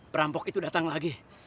perampok itu datang lagi